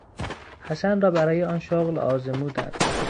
حسن را برای آن شغل آزمودند.